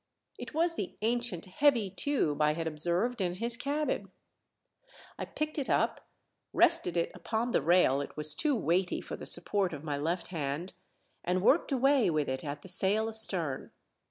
It was the ancient, heavy tube I had ob served in his cabin. I picked it up, rested it upon the rail — it was too weighty for the support of my left hand — and worked away with it at the sail astern.